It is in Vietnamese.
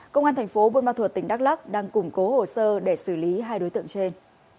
công an thành phố buôn ma thuột tỉnh đắk lắc đang củng cố hồ sơ để xử lý hai đối tượng trên